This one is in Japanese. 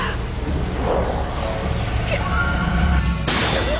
うっ。